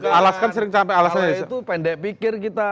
pada saat itu pendek pikir kita